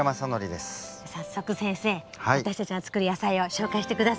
早速先生私たちが作る野菜を紹介して下さい。